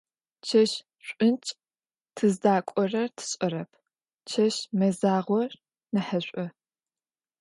Чэщ шӀункӀ, тыздакӀорэр тшӀэрэп, чэщ мэзагъор нахьышӀу.